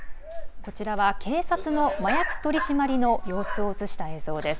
こちらは警察の麻薬取り締まりの様子を映した映像です。